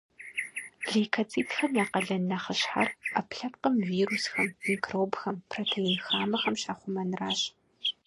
Лейкоцитхэм я къалэн нэхъыщхьэр — ӏэпкълъэпкъыр вирусхэм, микробхэм, протеин хамэхэм щахъумэнращ.